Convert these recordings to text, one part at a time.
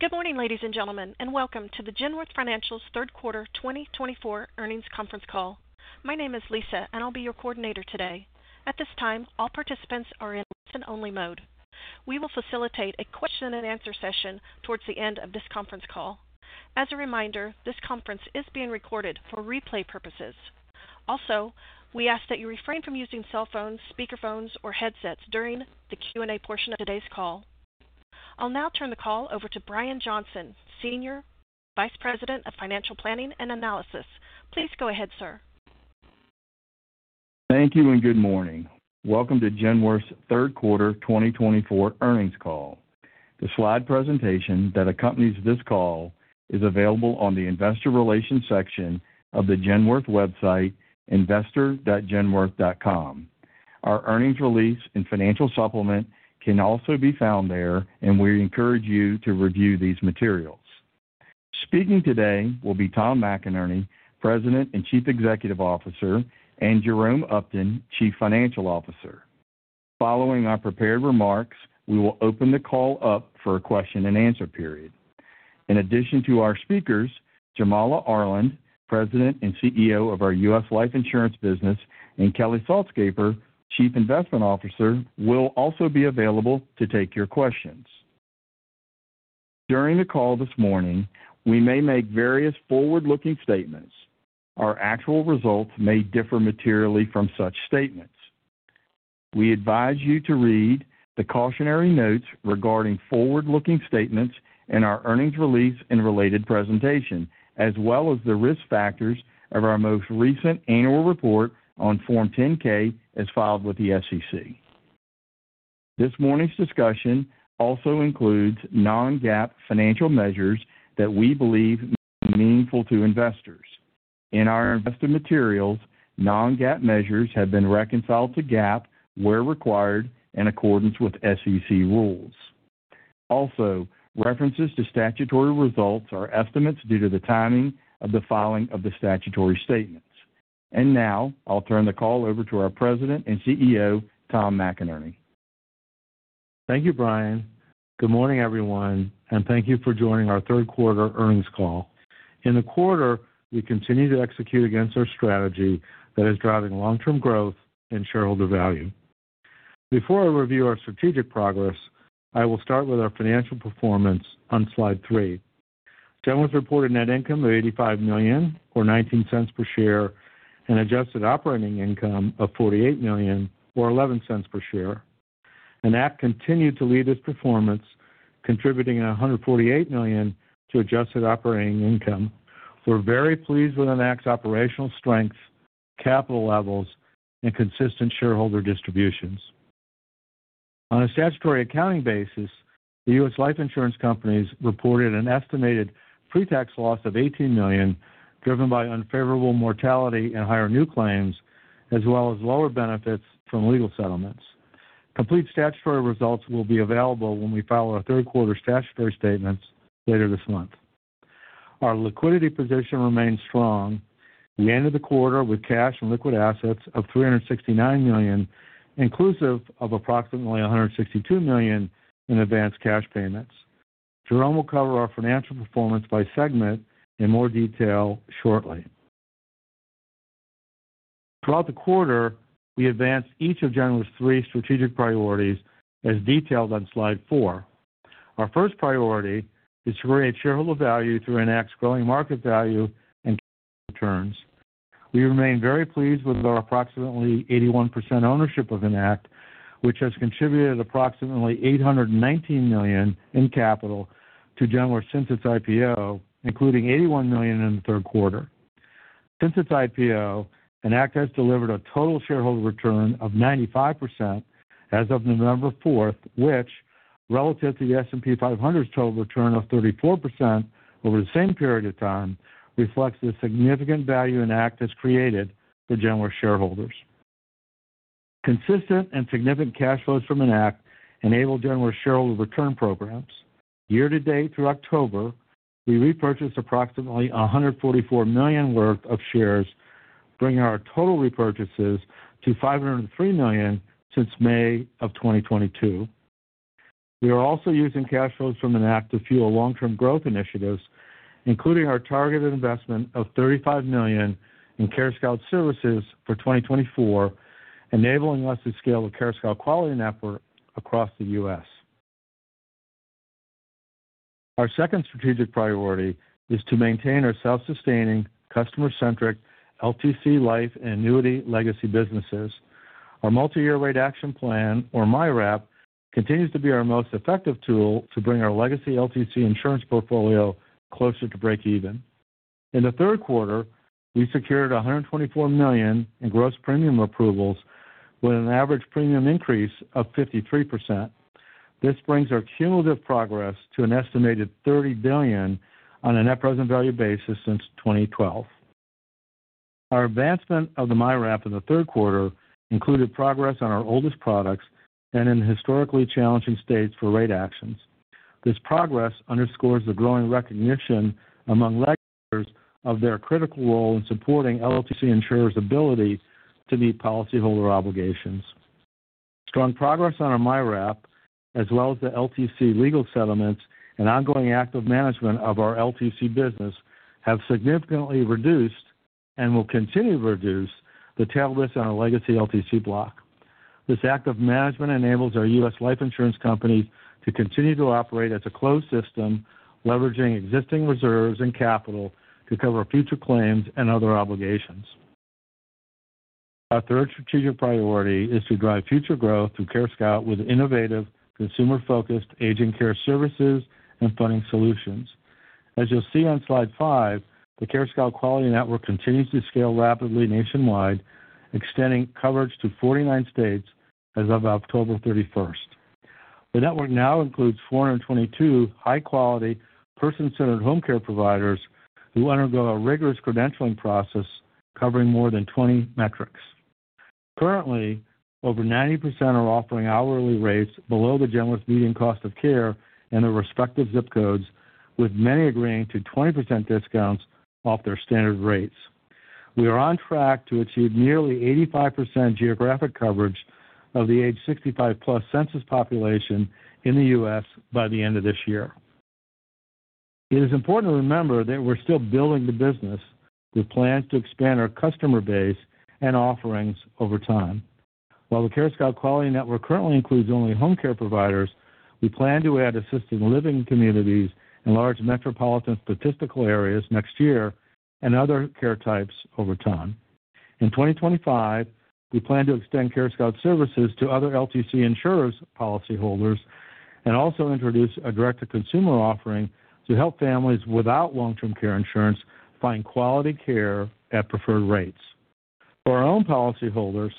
Good morning, ladies and gentlemen, and welcome to the Genworth Financial's Third Quarter 2024 Earnings Conference Call. My name is Lisa, and I'll be your coordinator today. At this time, all participants are in listen-only mode. We will facilitate a question-and-answer session towards the end of this conference call. As a reminder, this conference is being recorded for replay purposes. Also, we ask that you refrain from using cell phones, speakerphones, or headsets during the Q&A portion of today's call. I'll now turn the call over to Brian Johnson, Senior Vice President of Financial Planning and Analysis. Please go ahead, sir. Thank you and good morning. Welcome to Genworth's third quarter 2024 earnings call. The slide presentation that accompanies this call is available on the Investor Relations section of the Genworth website, investor.genworth.com. Our earnings release and financial supplement can also be found there, and we encourage you to review these materials. Speaking today will be Tom McInerney, President and Chief Executive Officer, and Jerome Upton, Chief Financial Officer. Following our prepared remarks, we will open the call up for a question-and-answer period. In addition to our speakers, Jamala Arland, President and CEO of our U.S. life insurance business, and Kelly Saltzgaber, Chief Investment Officer, will also be available to take your questions. During the call this morning, we may make various forward-looking statements. Our actual results may differ materially from such statements. We advise you to read the cautionary notes regarding forward-looking statements in our earnings release and related presentation, as well as the risk factors of our most recent annual report on Form 10-K as filed with the SEC. This morning's discussion also includes non-GAAP financial measures that we believe may be meaningful to investors. In our investment materials, non-GAAP measures have been reconciled to GAAP where required in accordance with SEC rules. Also, references to statutory results are estimates due to the timing of the filing of the statutory statements. And now, I'll turn the call over to our President and CEO, Tom McInerney. Thank you, Brian. Good morning, everyone, and thank you for joining our third quarter earnings call. In the quarter, we continue to execute against our strategy that is driving long-term growth and shareholder value. Before I review our strategic progress, I will start with our financial performance on slide three. Genworth reported net income of $85 million, or $0.19 per share, and adjusted operating income of $48 million, or $0.11 per share. Enact continued to lead its performance, contributing $148 million to adjusted operating income. We're very pleased with Enact's operational strengths, capital levels, and consistent shareholder distributions. On a statutory accounting basis, the U.S. life insurance companies reported an estimated pre-tax loss of $18 million, driven by unfavorable mortality and higher new claims, as well as lower benefits from legal settlements. Complete statutory results will be available when we file our third quarter statutory statements later this month. Our liquidity position remains strong. We ended the quarter with cash and liquid assets of $369 million, inclusive of approximately $162 million in advance cash payments. Jerome will cover our financial performance by segment in more detail shortly. Throughout the quarter, we advanced each of Genworth's three strategic priorities, as detailed on slide four. Our first priority is to create shareholder value through Enact's growing market value and returns. We remain very pleased with our approximately 81% ownership of Enact, which has contributed approximately $819 million in capital to Genworth since Enact's IPO, including $81 million in the third quarter. Since Enact's IPO, Enact, has delivered a total shareholder return of 95% as of November 4th, which, relative to the S&P 500's total return of 34% over the same period of time, reflects the significant value Enact has created for Genworth shareholders. Consistent and significant cash flows from Enact enable Genworth's shareholder return programs. Year-to-date through October, we repurchased approximately $144 million worth of shares, bringing our total repurchases to $503 million since May of 2022. We are also using cash flows from Enact to fuel long-term growth initiatives, including our targeted investment of $35 million in CareScout Services for 2024, enabling us to scale the CareScout Quality Network across the U.S. Our second strategic priority is to maintain our self-sustaining, customer-centric LTC life and annuity legacy businesses. Our Multi-Year Rate Action Plan, or MYRAP, continues to be our most effective tool to bring our legacy LTC insurance portfolio closer to break-even. In the third quarter, we secured $124 million in gross premium approvals, with an average premium increase of 53%. This brings our cumulative progress to an estimated $30 billion on a net present value basis since 2012. Our advancement of the MYRAP in the third quarter included progress on our oldest products and in historically challenging states for rate actions. This progress underscores the growing recognition among legislators of their critical role in supporting LTC insurers' ability to meet policyholder obligations. Strong progress on our MYRAP, as well as the LTC legal settlements and ongoing active management of our LTC business, have significantly reduced and will continue to reduce the tail risk on our legacy LTC block. This active management enables our U.S. Life insurance companies to continue to operate as a closed system, leveraging existing reserves and capital to cover future claims and other obligations. Our third strategic priority is to drive future growth through CareScout with innovative, consumer-focused aging care services and funding solutions. As you'll see on slide five, the CareScout Quality Network continues to scale rapidly nationwide, extending coverage to 49 states as of October 31st. The network now includes 422 high-quality, person-centered home care providers who undergo a rigorous credentialing process covering more than 20 metrics. Currently, over 90% are offering hourly rates below the Genworth median cost of care in their respective ZIP codes, with many agreeing to 20% discounts off their standard rates. We are on track to achieve nearly 85% geographic coverage of the age 65+ census population in the U.S. by the end of this year. It is important to remember that we're still building the business with plans to expand our customer base and offerings over time. While the CareScout Quality Network currently includes only home care providers, we plan to add assisted living communities in large metropolitan statistical areas next year and other care types over time. In 2025, we plan to extend CareScout Services to other LTC insurers' policyholders and also introduce a direct-to-consumer offering to help families without long-term care insurance find quality care at preferred rates. For our own policyholders,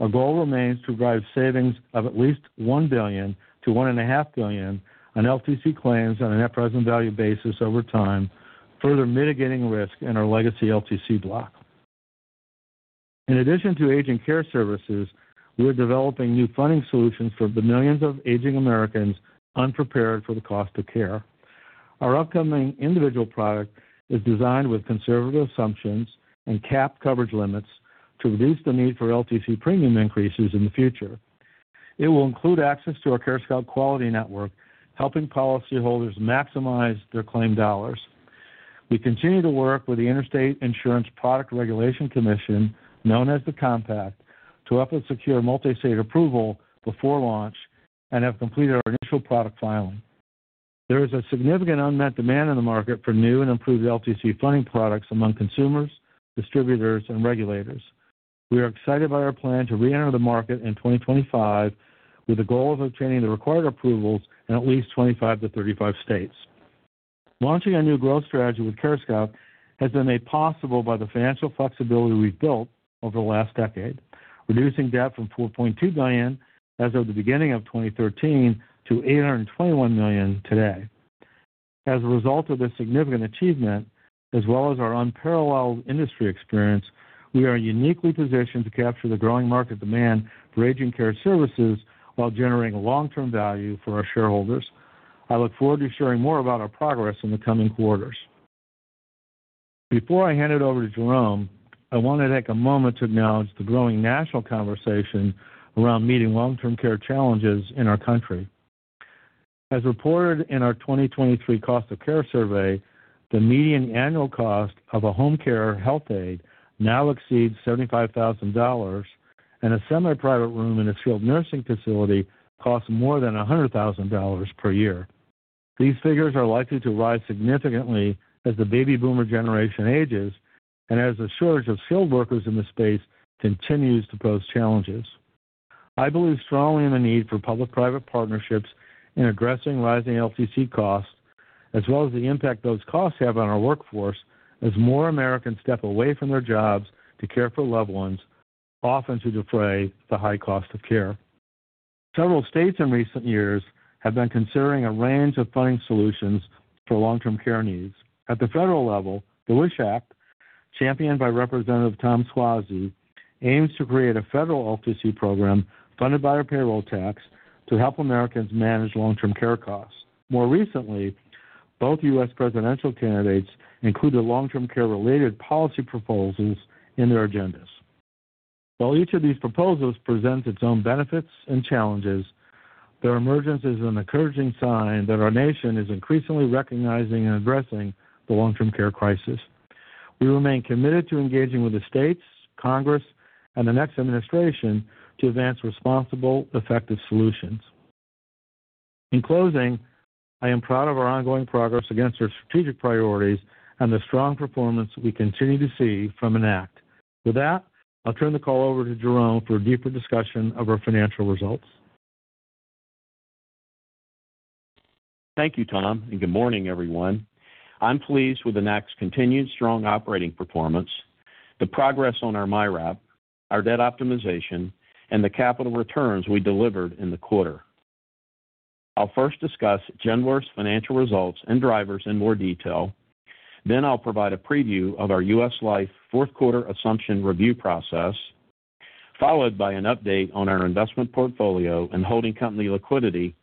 our goal remains to drive savings of at least $1 billion-$1.5 billion on LTC claims on a net present value basis over time, further mitigating risk in our legacy LTC block. In addition to aging care services, we're developing new funding solutions for the millions of aging Americans unprepared for the cost of care. Our upcoming individual product is designed with conservative assumptions and capped coverage limits to reduce the need for LTC premium increases in the future. It will include access to our CareScout Quality Network, helping policyholders maximize their claim dollars. We continue to work with the Interstate Insurance Product Regulation Commission, known as the Compact, to help us secure multi-state approval before launch and have completed our initial product filing. There is a significant unmet demand in the market for new and improved LTC funding products among consumers, distributors, and regulators. We are excited by our plan to re-enter the market in 2025, with the goal of obtaining the required approvals in at least 25-35 states. Launching a new growth strategy with CareScout has been made possible by the financial flexibility we've built over the last decade, reducing debt from $4.2 billion as of the beginning of 2013 to $821 million today. As a result of this significant achievement, as well as our unparalleled industry experience, we are uniquely positioned to capture the growing market demand for aging care services while generating long-term value for our shareholders. I look forward to sharing more about our progress in the coming quarters. Before I hand it over to Jerome, I want to take a moment to acknowledge the growing national conversation around meeting long-term care challenges in our country. As reported in our 2023 cost of care survey, the median annual cost of a home care health aide now exceeds $75,000, and a semi-private room in a skilled nursing facility costs more than $100,000 per year. These figures are likely to rise significantly as the baby boomer generation ages and as the shortage of skilled workers in the space continues to pose challenges. I believe strongly in the need for public-private partnerships in addressing rising LTC costs, as well as the impact those costs have on our workforce, as more Americans step away from their jobs to care for loved ones, often to defray the high cost of care. Several states in recent years have been considering a range of funding solutions for long-term care needs. At the federal level, the WISH Act, championed by Representative Tom Suozzi, aims to create a federal LTC program funded by our payroll tax to help Americans manage long-term care costs. More recently, both U.S. presidential candidates included long-term care-related policy proposals in their agendas. While each of these proposals presents its own benefits and challenges, their emergence is an encouraging sign that our nation is increasingly recognizing and addressing the long-term care crisis. We remain committed to engaging with the states, Congress, and the next administration to advance responsible, effective solutions. In closing, I am proud of our ongoing progress against our strategic priorities and the strong performance we continue to see from Enact. With that, I'll turn the call over to Jerome for a deeper discussion of our financial results. Thank you, Tom, and good morning, everyone. I'm pleased with Enact's continued strong operating performance, the progress on our MYRAP, our debt optimization, and the capital returns we delivered in the quarter. I'll first discuss Genworth's financial results and drivers in more detail. Then I'll provide a preview of our U.S. life fourth quarter assumption review process, followed by an update on our investment portfolio and holding company liquidity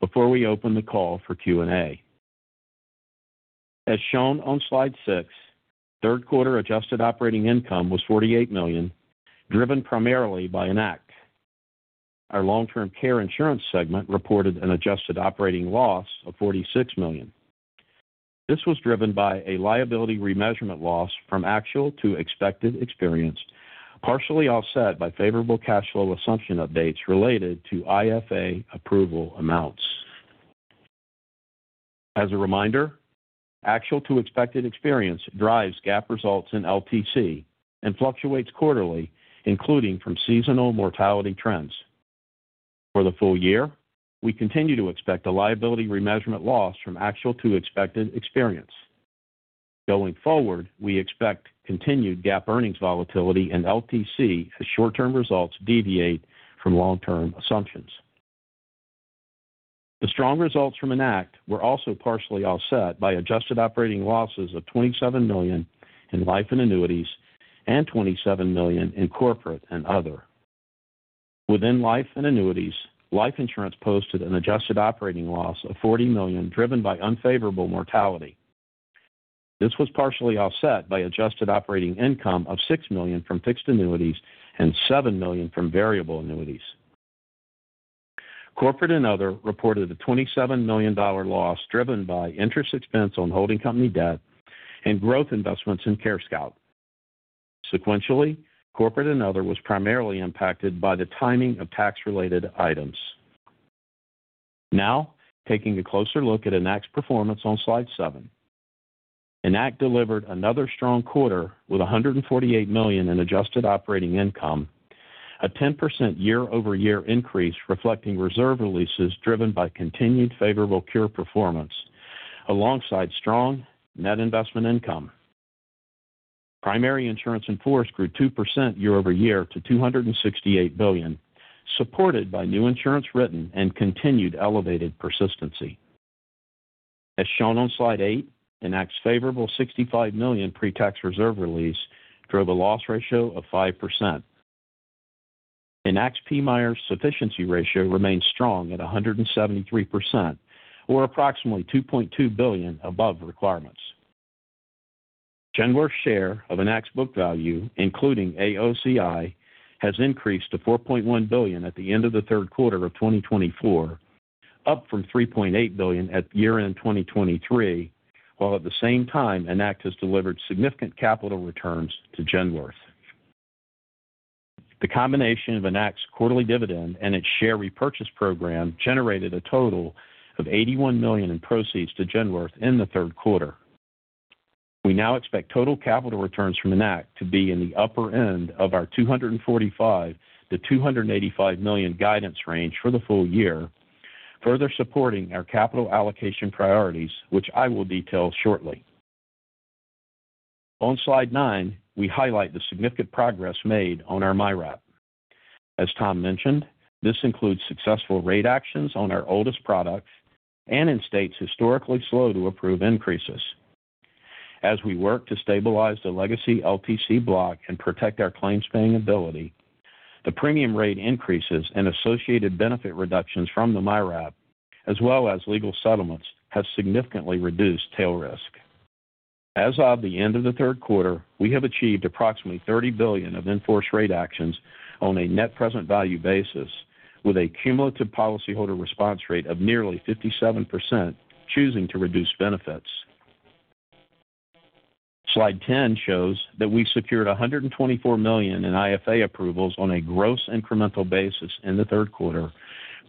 before we open the call for Q&A. As shown on slide six, third quarter adjusted operating income was $48 million, driven primarily by Enact. Our long-term care insurance segment reported an adjusted operating loss of $46 million. This was driven by a liability remeasurement loss from actual to expected experience, partially offset by favorable cash flow assumption updates related to IFA approval amounts. As a reminder, actual to expected experience drives GAAP results in LTC and fluctuates quarterly, including from seasonal mortality trends. For the full-year, we continue to expect a liability remeasurement loss from actual to expected experience. Going forward, we expect continued GAAP earnings volatility in LTC as short-term results deviate from long-term assumptions. The strong results from Enact were also partially offset by adjusted operating losses of $27 million in life and annuities and $27 million in corporate and other. Within life and annuities, life insurance posted an adjusted operating loss of $40 million, driven by unfavorable mortality. This was partially offset by adjusted operating income of $6 million from fixed annuities and $7 million from variable annuities. Corporate and other reported a $27 million loss driven by interest expense on holding company debt and growth investments in CareScout. Sequentially, corporate and other was primarily impacted by the timing of tax-related items. Now, taking a closer look at Enact's performance on slide seven, Enact delivered another strong quarter with $148 million in adjusted operating income, a 10% year-over-year increase reflecting reserve releases driven by continued favorable claim performance alongside strong net investment income. Primary insurance in force grew 2% year-over-year to $268 billion, supported by new insurance written and continued elevated persistency. As shown on slide eight, Enact's favorable $65 million pre-tax reserve release drove a loss ratio of 5%. Enact's PMIERs sufficiency ratio remained strong at 173%, or approximately $2.2 billion above requirements. Genworth's share of Enact's book value, including AOCI, has increased to $4.1 billion at the end of the third quarter of 2024, up from $3.8 billion at year-end 2023, while at the same time, Enact has delivered significant capital returns to Genworth. The combination of Enact's quarterly dividend and its share repurchase program generated a total of $81 million in proceeds to Genworth in the third quarter. We now expect total capital returns from Enact to be in the upper end of our $245 million-$285 million guidance range for the full-year, further supporting our capital allocation priorities, which I will detail shortly. On slide nine, we highlight the significant progress made on our MYRAP. As Tom mentioned, this includes successful rate actions on our oldest products and in states historically slow to approve increases. As we work to stabilize the legacy LTC block and protect our claims-paying ability, the premium rate increases and associated benefit reductions from the MYRAP, as well as legal settlements, have significantly reduced tail risk. As of the end of the third quarter, we have achieved approximately $30 billion of enforced rate actions on a net present value basis, with a cumulative policyholder response rate of nearly 57% choosing to reduce benefits. Slide 10 shows that we secured $124 million in IFA approvals on a gross incremental basis in the third quarter,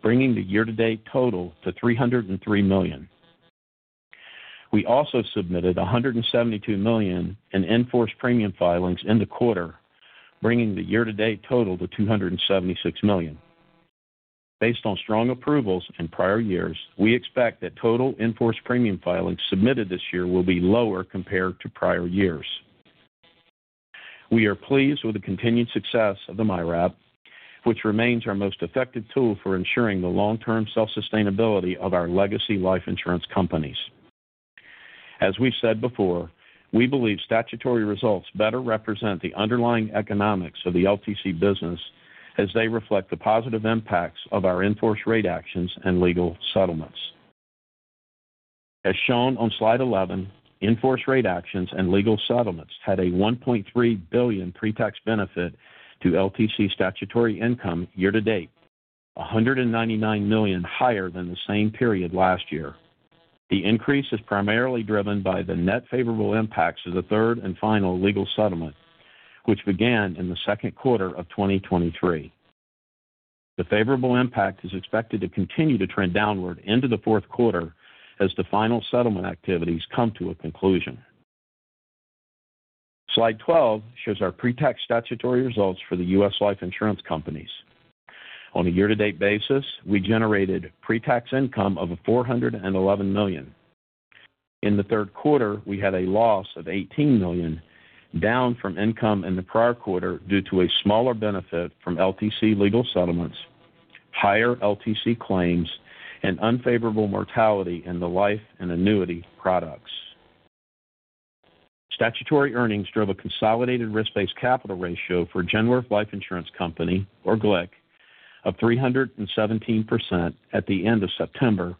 bringing the year-to-date total to $303 million. We also submitted $172 million in enforced premium filings in the quarter, bringing the year-to-date total to $276 million. Based on strong approvals in prior years, we expect that total enforced premium filings submitted this year will be lower compared to prior years. We are pleased with the continued success of the MYRAP, which remains our most effective tool for ensuring the long-term self-sustainability of our legacy life insurance companies. As we've said before, we believe statutory results better represent the underlying economics of the LTC business as they reflect the positive impacts of our enforced rate actions and legal settlements. As shown on slide 11, enforced rate actions and legal settlements had a $1.3 billion pre-tax benefit to LTC statutory income year-to-date, $199 million higher than the same period last year. The increase is primarily driven by the net favorable impacts of the third and final legal settlement, which began in the second quarter of 2023. The favorable impact is expected to continue to trend downward into the fourth quarter as the final settlement activities come to a conclusion. Slide 12 shows our pre-tax statutory results for the U.S. life insurance companies. On a year-to-date basis, we generated pre-tax income of $411 million. In the third quarter, we had a loss of $18 million, down from income in the prior quarter due to a smaller benefit from LTC legal settlements, higher LTC claims, and unfavorable mortality in the life and annuity products. Statutory earnings drove a consolidated risk-based capital ratio for Genworth Life Insurance Company, or GLIC, of 317% at the end of September,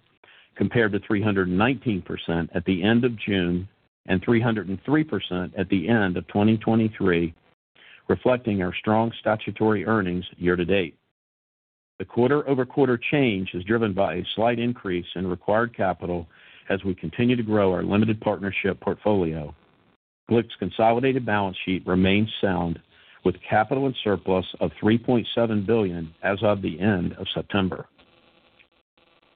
compared to 319% at the end of June and 303% at the end of 2023, reflecting our strong statutory earnings year-to-date. The quarter-over-quarter change is driven by a slight increase in required capital as we continue to grow our limited partnership portfolio. GLIC's consolidated balance sheet remains sound, with capital and surplus of $3.7 billion as of the end of September.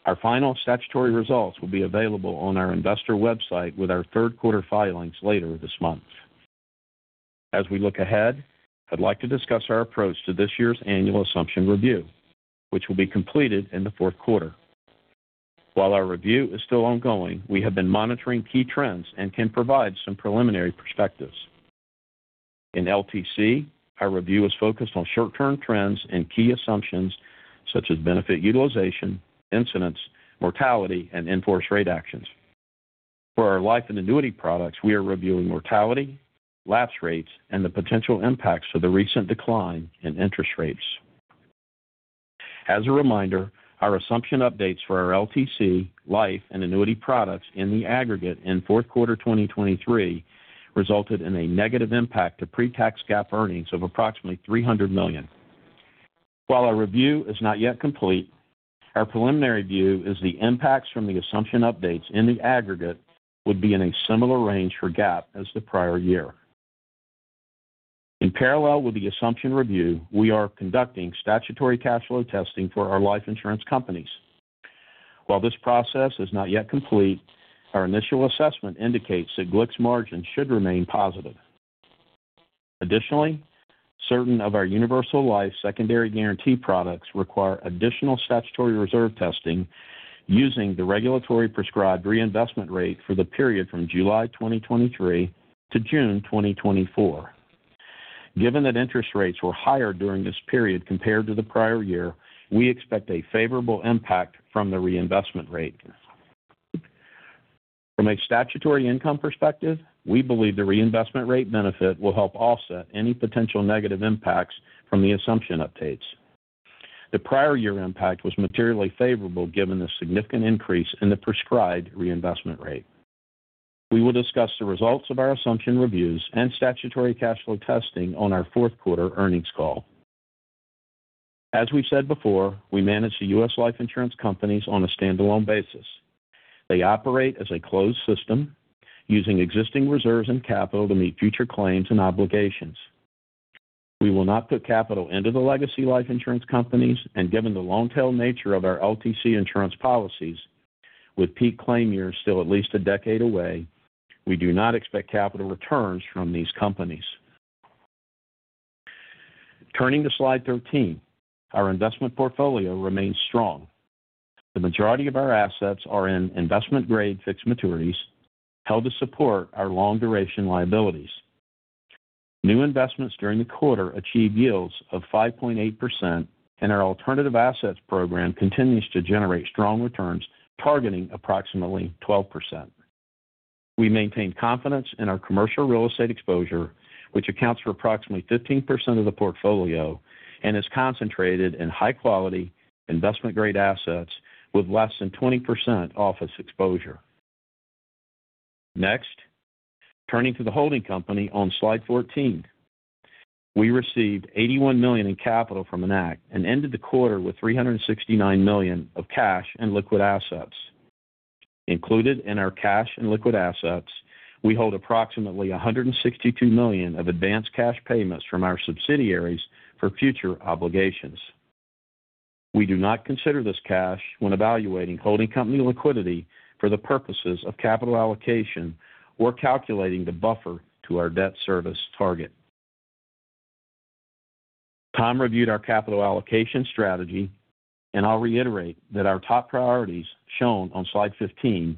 Our final statutory results will be available on our investor website with our third quarter filings later this month. As we look ahead, I'd like to discuss our approach to this year's annual assumption review, which will be completed in the fourth quarter. While our review is still ongoing, we have been monitoring key trends and can provide some preliminary perspectives. In LTC, our review is focused on short-term trends and key assumptions such as benefit utilization, incidence, mortality, and enforced rate actions. For our life and annuity products, we are reviewing mortality, lapse rates, and the potential impacts of the recent decline in interest rates. As a reminder, our assumption updates for our LTC, life, and annuity products in the aggregate in fourth quarter 2023 resulted in a negative impact to pre-tax GAAP earnings of approximately $300 million. While our review is not yet complete, our preliminary view is the impacts from the assumption updates in the aggregate would be in a similar range for GAAP as the prior year. In parallel with the assumption review, we are conducting statutory cash flow testing for our life insurance companies. While this process is not yet complete, our initial assessment indicates that GLIC's margin should remain positive. Additionally, certain of our universal life secondary guarantee products require additional statutory reserve testing using the regulatory prescribed reinvestment rate for the period from July 2023 to June 2024. Given that interest rates were higher during this period compared to the prior year, we expect a favorable impact from the reinvestment rate. From a statutory income perspective, we believe the reinvestment rate benefit will help offset any potential negative impacts from the assumption updates. The prior year impact was materially favorable given the significant increase in the prescribed reinvestment rate. We will discuss the results of our assumption reviews and statutory cash flow testing on our fourth quarter earnings call. As we've said before, we manage the U.S. life insurance companies on a standalone basis. They operate as a closed system using existing reserves and capital to meet future claims and obligations. We will not put capital into the legacy life insurance companies, and given the long-tail nature of our LTC insurance policies, with peak claim years still at least a decade away, we do not expect capital returns from these companies. Turning to slide 13, our investment portfolio remains strong. The majority of our assets are in investment-grade fixed maturities held to support our long-duration liabilities. New investments during the quarter achieved yields of 5.8%, and our alternative assets program continues to generate strong returns targeting approximately 12%. We maintain confidence in our commercial real estate exposure, which accounts for approximately 15% of the portfolio and is concentrated in high-quality investment-grade assets with less than 20% office exposure. Next, turning to the holding company on slide 14, we received $81 million in capital from Enact and ended the quarter with $369 million of cash and liquid assets. Included in our cash and liquid assets, we hold approximately $162 million of advance cash payments from our subsidiaries for future obligations. We do not consider this cash when evaluating holding company liquidity for the purposes of capital allocation or calculating the buffer to our debt service target. Tom reviewed our capital allocation strategy, and I'll reiterate that our top priorities shown on slide 15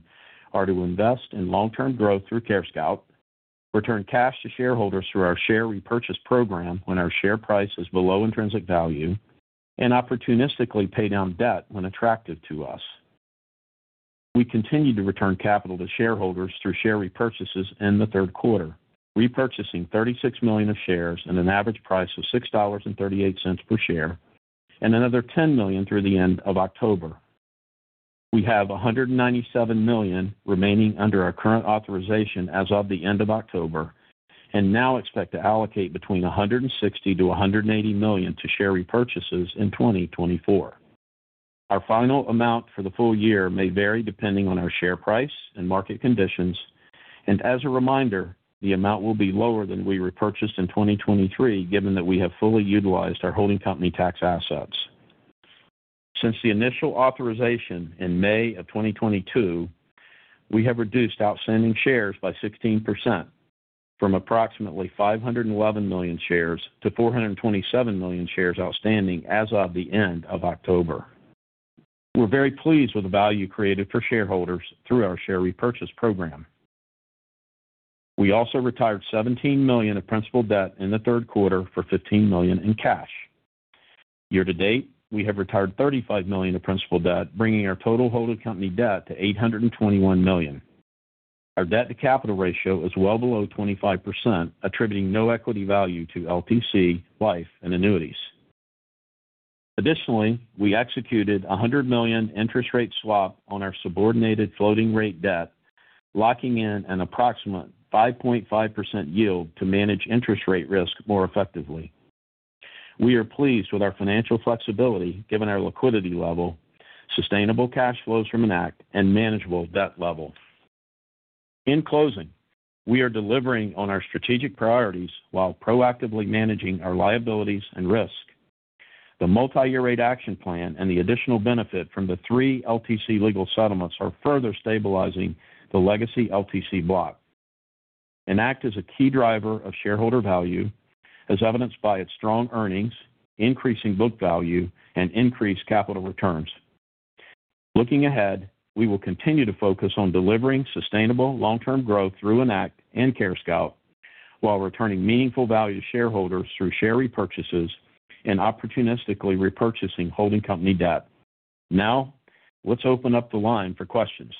are to invest in long-term growth through CareScout, return cash to shareholders through our share repurchase program when our share price is below intrinsic value, and opportunistically pay down debt when attractive to us. We continued to return capital to shareholders through share repurchases in the third quarter, repurchasing $36 million of shares at an average price of $6.38 per share and another $10 million through the end of October. We have $197 million remaining under our current authorization as of the end of October and now expect to allocate between $160 million-$180 million to share repurchases in 2024. Our final amount for the full-year may vary depending on our share price and market conditions, and as a reminder, the amount will be lower than we repurchased in 2023 given that we have fully utilized our holding company tax assets. Since the initial authorization in May of 2022, we have reduced outstanding shares by 16% from approximately 511 million shares to 427 million shares outstanding as of the end of October. We're very pleased with the value created for shareholders through our share repurchase program. We also retired $17 million of principal debt in the third quarter for $15 million in cash. Year-to-date, we have retired $35 million of principal debt, bringing our total holding company debt to $821 million. Our debt-to-capital ratio is well below 25%, attributing no equity value to LTC, life, and annuities. Additionally, we executed a $100 million interest rate swap on our subordinated floating-rate debt, locking in an approximate 5.5% yield to manage interest rate risk more effectively. We are pleased with our financial flexibility given our liquidity level, sustainable cash flows from Enact, and manageable debt level. In closing, we are delivering on our strategic priorities while proactively managing our liabilities and risk. The Multi-Year Rate Action Plan and the additional benefit from the three LTC legal settlements are further stabilizing the legacy LTC block. Enact is a key driver of shareholder value, as evidenced by its strong earnings, increasing book value, and increased capital returns. Looking ahead, we will continue to focus on delivering sustainable long-term growth through Enact and CareScout while returning meaningful value to shareholders through share repurchases and opportunistically repurchasing holding company debt. Now, let's open up the line for questions.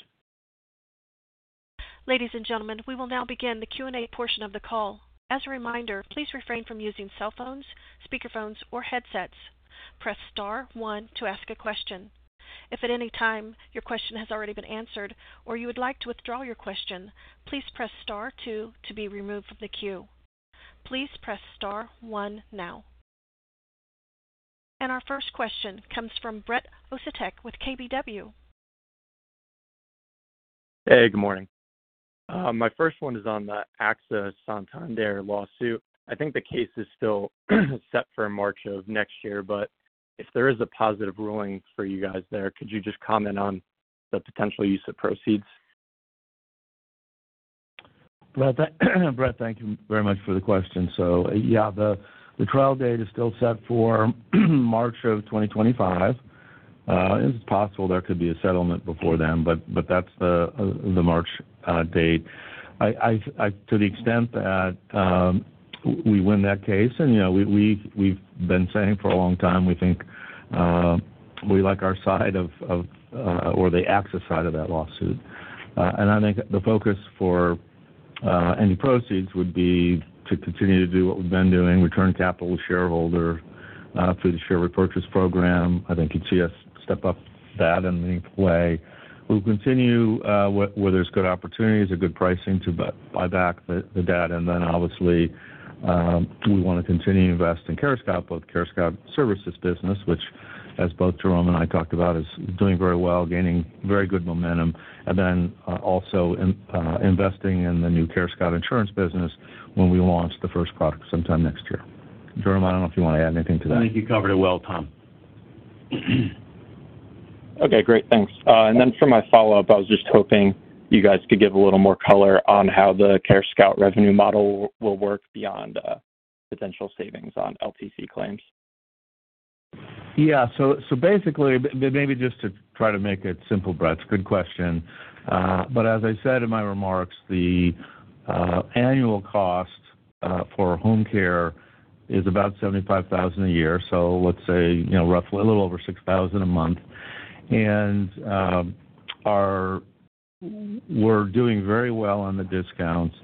Ladies and gentlemen, we will now begin the Q&A portion of the call. As a reminder, please refrain from using cell phones, speakerphones, or headsets. Press star one to ask a question. If at any time your question has already been answered or you would like to withdraw your question, please press star two to be removed from the queue. Please press Star 1 now. And our first question comes from Brett Osetec with KBW. Hey, good morning. My first one is on the AXA Santander lawsuit. I think the case is still set for March of next year, but if there is a positive ruling for you guys there, could you just comment on the potential use of proceeds? Brett, thank you very much for the question. So yeah, the trial date is still set for March of 2025. It's possible there could be a settlement before then, but that's the March date. To the extent that we win that case, and we've been saying for a long time, we think we like our side of, or the AXA side of that lawsuit, and I think the focus for any proceeds would be to continue to do what we've been doing, return capital to shareholder through the share repurchase program. I think you'd see us step up that in a meaningful way. We'll continue where there's good opportunities, a good pricing to buy back the debt, and then obviously we want to continue to invest in CareScout, both CareScout Services business, which, as both Jerome and I talked about, is doing very well, gaining very good momentum, and then also investing in the new CareScout insurance business when we launch the first product sometime next year. Jerome, I don't know if you want to add anything to that. I think you covered it well, Tom. Okay, great. Thanks. And then for my follow-up, I was just hoping you guys could give a little more color on how the CareScout revenue model will work beyond potential savings on LTC claims. Yeah. So basically, maybe just to try to make it simple, Brett, it's a good question. But as I said in my remarks, the annual cost for home care is about $75,000 a year. So let's say roughly a little over $6,000 a month. And we're doing very well on the discounts.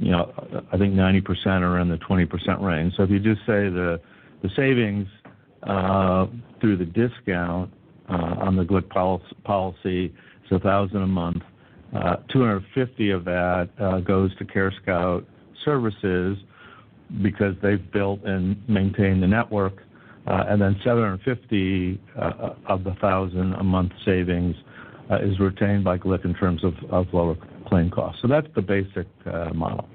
I think 90% are in the 20% range. So if you just say the savings through the discount on the GLIC policy is $1,000 a month, $250 of that goes to CareScout Services because they've built and maintained the network, and then $750 of the $1,000 a month savings is retained by GLIC in terms of lower claim costs. So that's the basic model.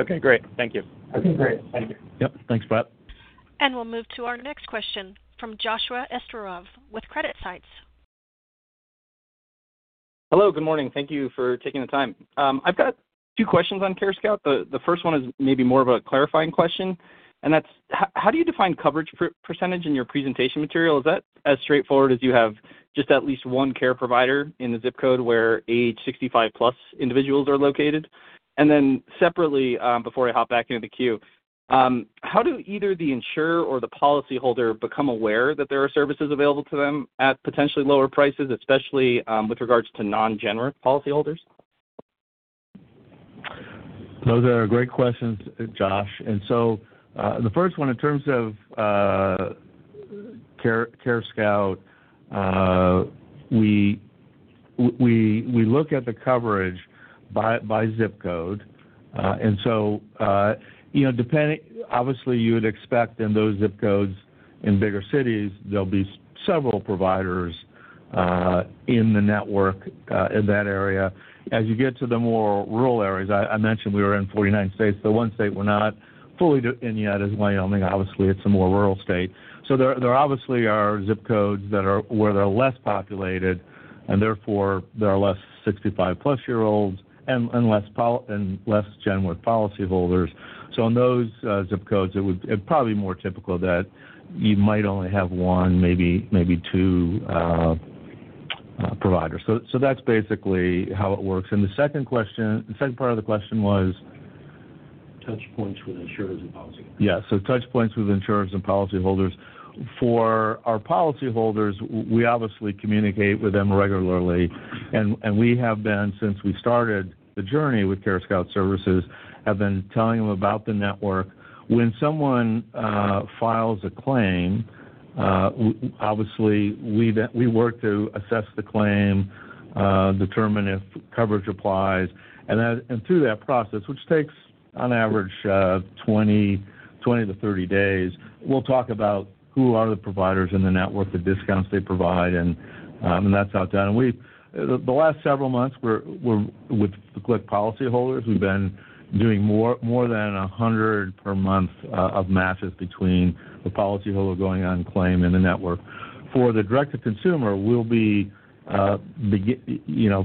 Okay, great. Thank you. Okay, great. Thank you. Yep. Thanks, Brett. And we'll move to our next question from Joshua Esterov with CreditSights. Hello, good morning. Thank you for taking the time. I've got two questions on CareScout. The first one is maybe more of a clarifying question, and that's how do you define coverage percentage in your presentation material? Is that as straightforward as you have just at least one care provider in the ZIP code where age 65+ individuals are located? And then separately, before I hop back into the queue, how do either the insurer or the policyholder become aware that there are services available to them at potentially lower prices, especially with regards to non-generic policyholders? Those are great questions, Josh. And so the first one, in terms of CareScout, we look at the coverage by ZIP code. And so obviously, you would expect in those ZIP codes in bigger cities, there'll be several providers in the network in that area. As you get to the more rural areas, I mentioned we were in 49 states. The one state we're not fully in yet is Wyoming. Obviously, it's a more rural state. So there obviously are ZIP codes where they're less populated, and therefore there are less 65+ year olds and less genuine policyholders. So in those ZIP codes, it would be probably more typical that you might only have one, maybe two providers. So that's basically how it works. And the second part of the question was touch points with insurers and policyholders. Yeah. So touch points with insurers and policyholders. For our policyholders, we obviously communicate with them regularly, and we have been, since we started the journey with CareScout Services, have been telling them about the network. When someone files a claim, obviously, we work to assess the claim, determine if coverage applies, and through that process, which takes on average 20-30 days, we'll talk about who are the providers in the network, the discounts they provide, and that's how it's done. The last several months with the GLIC policyholders, we've been doing more than 100 per month of matches between the policyholder going on claim and the network. For the direct-to-consumer,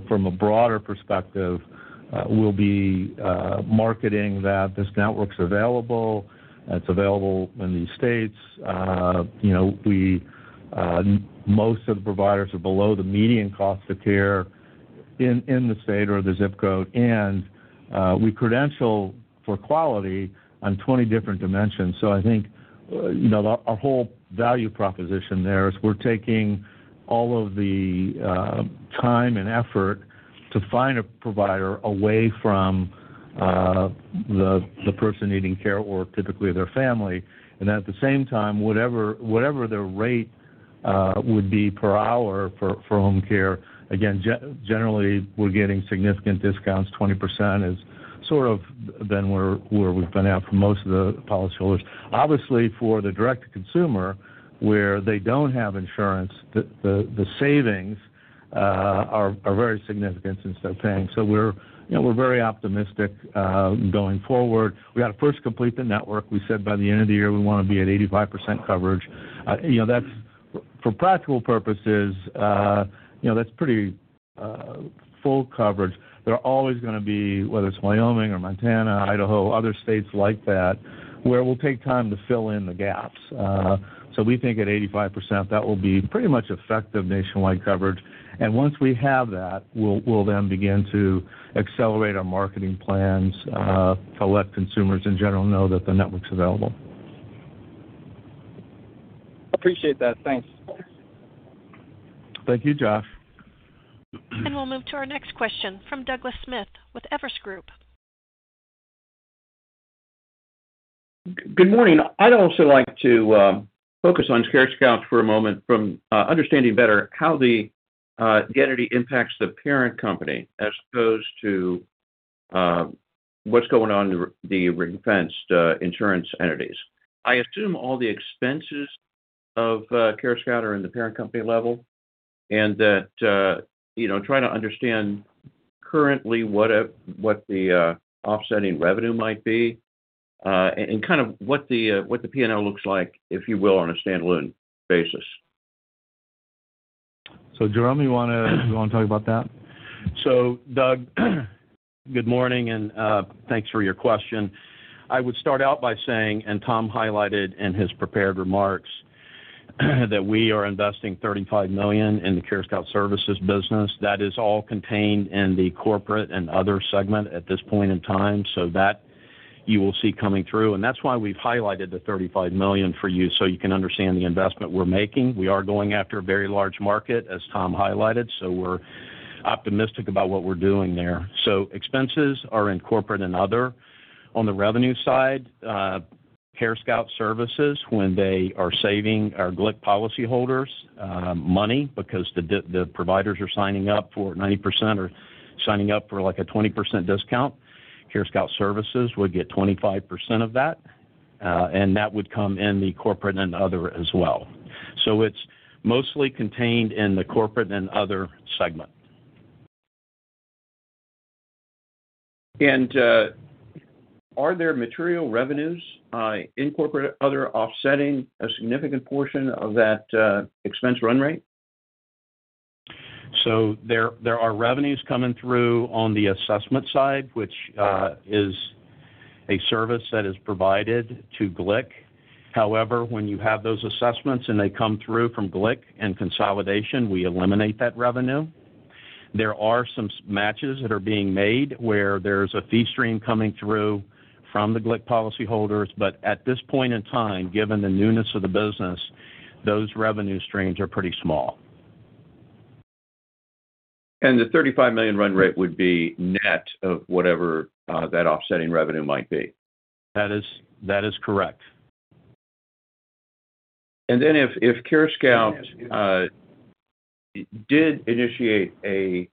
from a broader perspective, we'll be marketing that this network's available, it's available in these states. Most of the providers are below the median cost of care in the state or the ZIP code, and we credential for quality on 20 different dimensions. So I think our whole value proposition there is we're taking all of the time and effort to find a provider away from the person needing care or typically their family, and at the same time, whatever their rate would be per hour for home care, again, generally, we're getting significant discounts. 20% is sort of then where we've been at for most of the policyholders. Obviously, for the direct-to-consumer, where they don't have insurance, the savings are very significant since they're paying. So we're very optimistic going forward. We got to first complete the network. We said by the end of the year, we want to be at 85% coverage. For practical purposes, that's pretty full coverage. There are always going to be, whether it's Wyoming or Montana, Idaho, other states like that, where we'll take time to fill in the gaps. So we think at 85%, that will be pretty much effective nationwide coverage. And once we have that, we'll then begin to accelerate our marketing plans to let consumers in general know that the network's available. Appreciate that. Thanks. Thank you, Josh. And we'll move to our next question from Douglas Smith with Everest Group. Good morning. I'd also like to focus on CareScout for a moment to better understand how the entity impacts the parent company as opposed to what's going on in the ring-fenced insurance entities. I assume all the expenses of CareScout are in the parent company level and to try to understand currently what the offsetting revenue might be and kind of what the P&L looks like, if you will, on a standalone basis. So Jerome, you want to talk about that? So Doug, good morning and thanks for your question. I would start out by saying, and Tom highlighted in his prepared remarks, that we are investing $35 million in the CareScout Services business. That is all contained in the corporate and other segment at this point in time so that you will see coming through. That's why we've highlighted the $35 million for you so you can understand the investment we're making. We are going after a very large market, as Tom highlighted, so we're optimistic about what we're doing there. Expenses are in corporate and other. On the revenue side, CareScout Services, when they are saving our GLIC policyholders money because the providers are signing up for 90% or signing up for a 20% discount, CareScout Services would get 25% of that, and that would come in the corporate and other as well. So it's mostly contained in the corporate and other segment. And are there material revenues in corporate and other offsetting a significant portion of that expense run rate? So there are revenues coming through on the assessment side, which is a service that is provided to GLIC. However, when you have those assessments and they come through from GLIC and consolidation, we eliminate that revenue. There are some matches that are being made where there's a fee stream coming through from the GLIC policyholders, but at this point in time, given the newness of the business, those revenue streams are pretty small. And the $35 million run rate would be net of whatever that offsetting revenue might be? That is correct. And then if CareScout did initiate an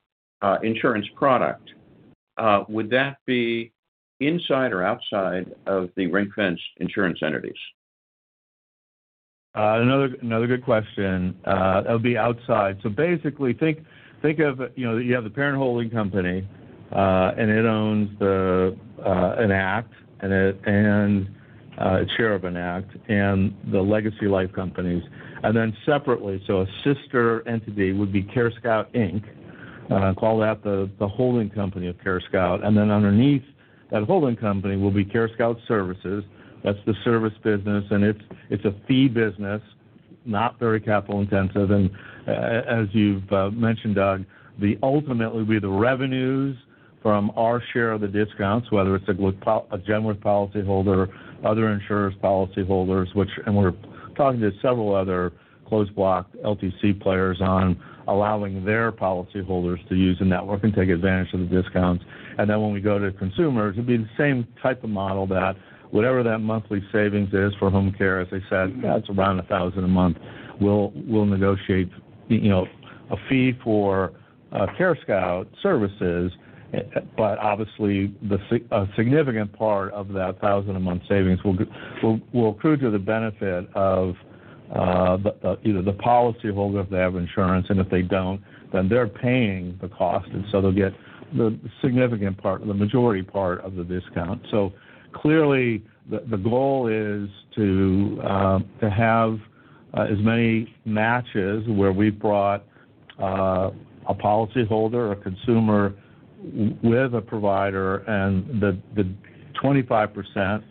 insurance product, would that be inside or outside of the ring-fenced insurance entities? Another good question. That would be outside. So basically, think of you have the parent holding company, and it owns Enact and a share of Enact and the legacy life companies. And then separately, so a sister entity would be CareScout Inc., call that the holding company of CareScout. And then underneath that holding company will be CareScout Services. That's the service business, and it's a fee business, not very capital intensive. And as you've mentioned, Doug, the ultimate would be the revenues from our share of the discounts, whether it's a GLIC, a Genworth policyholder, other insurers' policyholders, and we're talking to several other closed-block LTC players on allowing their policyholders to use the network and take advantage of the discounts. And then when we go to consumers, it'd be the same type of model that whatever that monthly savings is for home care, as I said, that's around $1,000 a month. We'll negotiate a fee for CareScout Services, but obviously, a significant part of that $1,000 a month savings will accrue to the benefit of either the policyholder if they have insurance, and if they don't, then they're paying the cost, and so they'll get the significant part, the majority part of the discount, so clearly, the goal is to have as many matches where we've brought a policyholder, a consumer with a provider, and the 25%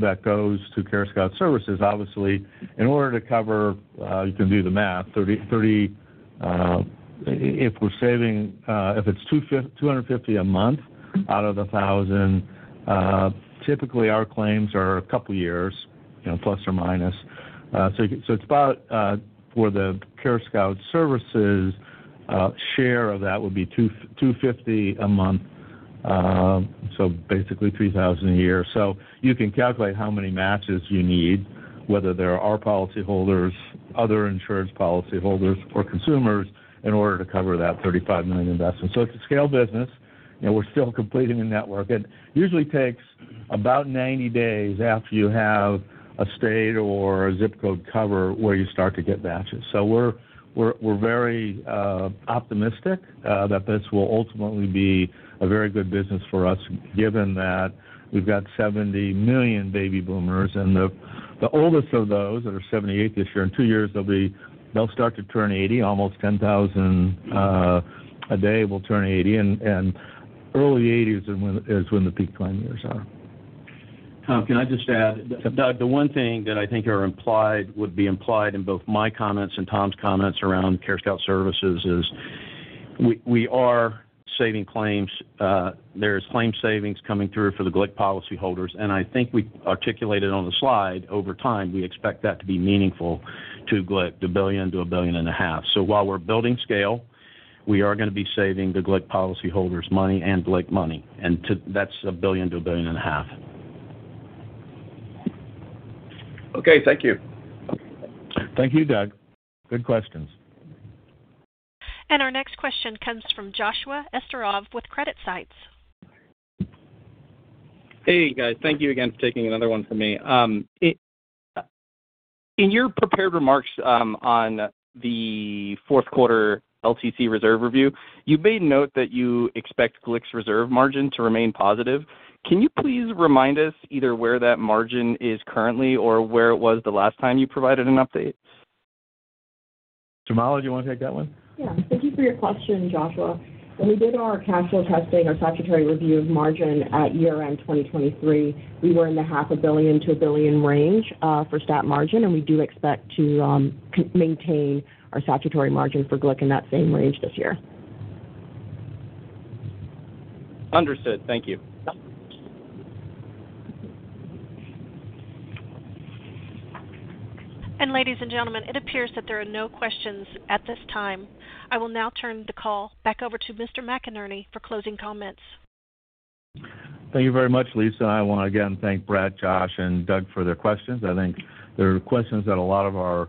that goes to CareScout Services, obviously, in order to cover, you can do the math, 30 if we're saving if it's $250 a month out of the $1,000, typically our claims are a couple of years plus or minus, so it's about for the CareScout Services, share of that would be $250 a month, so basically $3,000 a year. So you can calculate how many matches you need, whether they're our policyholders, other insurance policyholders, or consumers, in order to cover that $35 million investment. So it's a scale business. We're still completing a network. It usually takes about 90 days after you have a state or a ZIP code cover where you start to get matches. So we're very optimistic that this will ultimately be a very good business for us, given that we've got 70 million baby boomers, and the oldest of those that are 78 this year, in two years, they'll start to turn 80. Almost 10,000 a day will turn 80, and early 80s is when the peak time years are. Tom, can I just add, Doug, the one thing that I think would be implied in both my comments and Tom's comments around CareScout Services is we are saving claims. There's claim savings coming through for the GLIC policyholders, and I think we articulated on the slide, over time, we expect that to be meaningful to GLIC, $1 billion-$1.5 billion. So while we're building scale, we are going to be saving the GLIC policyholders money and GLIC money, and that's $1 billion-$1.5 billion. Okay. Thank you. Thank you, Doug. Good questions. And our next question comes from Joshua Esterov with CreditSights. Hey, guys. Thank you again for taking another one from me. In your prepared remarks on the fourth quarter LTC reserve review, you made note that you expect GLIC's reserve margin to remain positive. Can you please remind us either where that margin is currently or where it was the last time you provided an update? Jamala, do you want to take that one? Yeah. Thank you for your question, Joshua. When we did our cash flow testing, our statutory review of margin at year-end 2023, we were in the $500 million-$1 billion range for stat margin, and we do expect to maintain our statutory margin for GLIC in that same range this year. Understood. Thank you. And ladies and gentlemen, it appears that there are no questions at this time. I will now turn the call back over to Mr. McInerney for closing comments. Thank you very much, Lisa. I want to again thank Brett, Josh, and Doug for their questions. I think they're questions that a lot of our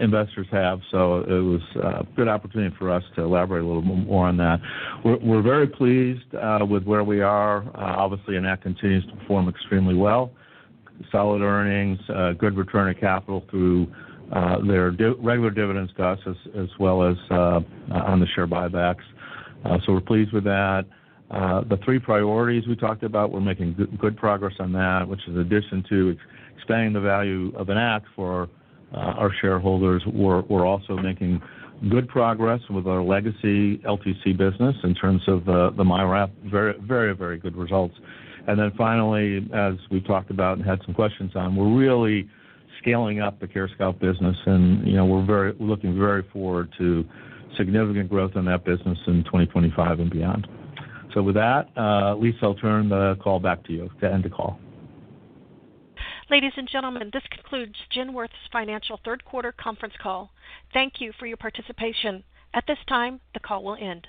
investors have, so it was a good opportunity for us to elaborate a little more on that. We're very pleased with where we are. Obviously, Enact continues to perform extremely well. Solid earnings, good return of capital through their regular dividends to us, as well as on the share buybacks. So we're pleased with that. The three priorities we talked about, we're making good progress on that, which is in addition to expanding the value of Enact for our shareholders. We're also making good progress with our legacy LTC business in terms of the MYRAP, very, very good results, and then finally, as we've talked about and had some questions on, we're really scaling up the CareScout business, and we're looking very forward to significant growth in that business in 2025 and beyond. So with that, Lisa, I'll turn the call back to you to end the call. Ladies and gentlemen, this concludes Genworth's financial third quarter conference call. Thank you for your participation. At this time, the call will end.